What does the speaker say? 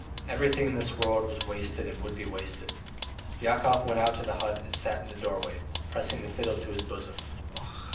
Everything in this world was wasted and would be wasted! Yakov went out of the hut and sat in the doorway, pressing the fiddle to his bosom.